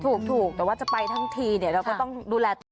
ถูกแต่ว่าจะไปทั้งทีเนี่ยเราก็ต้องดูแลต่อ